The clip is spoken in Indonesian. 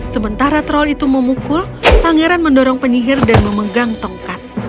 sementara troll itu memukul pangeran mendorong penyihir dan memegang tongkat